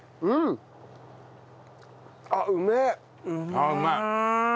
あっうまい。